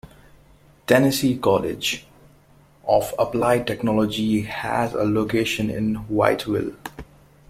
Tennessee Colleges of Applied Technology has a location in Whiteville.